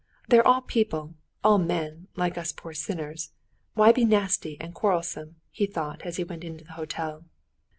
"They're all people, all men, like us poor sinners; why be nasty and quarrelsome?" he thought as he went into the hotel.